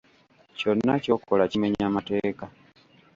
Kyonna ky'okola kimenya mateeka.